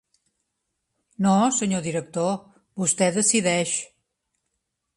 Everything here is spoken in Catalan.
No, senyor director, vostè decideix.